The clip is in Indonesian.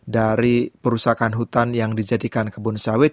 dari perusahaan hutan yang dijadikan kebun sawit